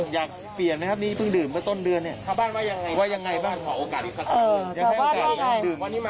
วันนี้มากันเยอะเลยชาวบ้านว่าไงครับ